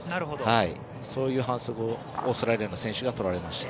そういう反則をオーストラリアの選手がとられました。